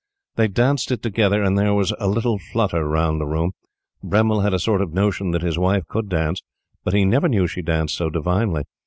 They danced it together, and there was a little flutter round the room. Bremmil had a sort of notion that his wife could dance, but he never knew she danced so divinely.